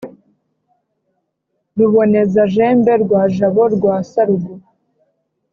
ruboneza-jembe rwa jabo rya sarugo,